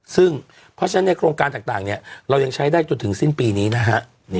ซึ่งเพราะฉะนั้นในโครงการต่างเรายังใช้ได้จนถึงสิ้นปีนี้นะฮะ